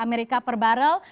amerika per barrel